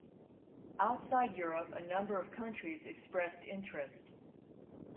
Outside Europe a number of countries expressed interest.